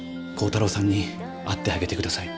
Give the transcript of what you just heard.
耕太郎さんに会ってあげて下さい。